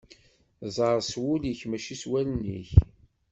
Ẓer s wul-ik mačči s wallen-ik.